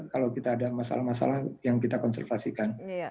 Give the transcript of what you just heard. kalau kita ada masalah masalah yang kita tidak tahu kita bisa menghubungi